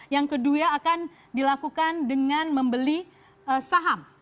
yang kedua akan dilakukan dengan membeli saham